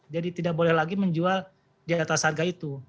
tidak boleh lagi menjual di atas harga itu